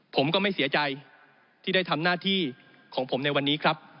ผมก็ไม่เสียใจที่ได้ทำหน้าที่ของผมในวันนี้ครับ